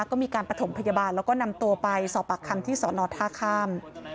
ก็มีการประถมพยาบาลแล้วก็นำตัวไปสอบปากคำที่สอนอท่าข้าม